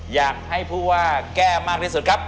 อยากให้ผู้ว่าแก้มากที่สุดครับ